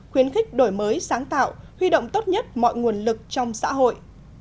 khuyến khích đổi mới sáng tạo huy động tốt nhất mọi nguồn lực trong xã hội